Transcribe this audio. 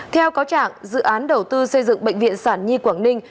theo cáo trạng dự án đầu tư xây dựng bệnh viện sản nhi quảng ninh